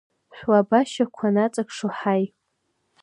Шәлабашьақәа ныҵакшо, ҳаи!